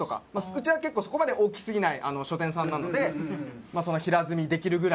うちは結構そこまで大きすぎない書店さんなのでその平積みできるぐらい。